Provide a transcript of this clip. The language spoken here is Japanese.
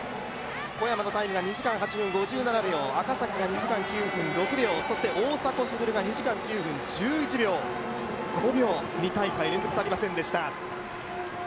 小山のタイムが２時間８分５７秒、赤崎が２時間９分６秒そして大迫傑が２時間９分１１秒、５秒、２大会連続足りませんでした。